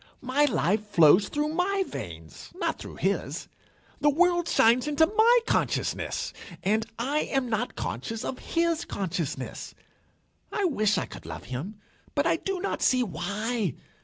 My life flows through my veins, not through his. The world shines into my consciousness, and I am not conscious of his consciousness. I wish I could love him, but I do not see why.